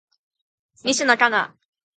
西野カナ